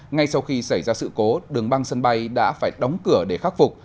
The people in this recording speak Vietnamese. ngay sau khi xảy ra sự cố đường băng sân bay đã phải đóng cửa để khắc phục